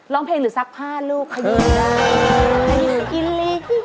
ร้องเพลงหรือซักผ้าลูกขยื่นได้